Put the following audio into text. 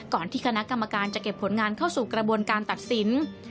ที่คณะกรรมการจะเก็บผลงานเข้าสู่กระบวนการตัดสิน